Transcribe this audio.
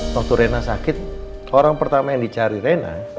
waktu rena sakit orang pertama yang dicari rena